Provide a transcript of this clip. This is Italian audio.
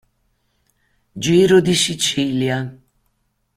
Giro di Sicilia